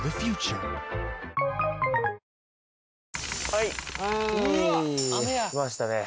はいはーい来ましたね